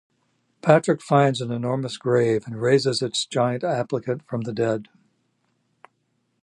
Patrick finds an enormous grave and raises its giant occupant from the dead.